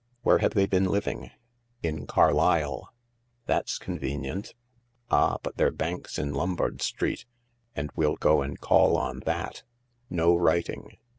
Where have they been living ?"" In Carlisle." "That's convenient "Ah, but their bank's in Lombard Street, and we'll go and call on that. No writing.